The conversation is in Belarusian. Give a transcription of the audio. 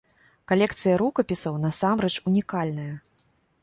Калекцыя рукапісаў насамрэч унікальная.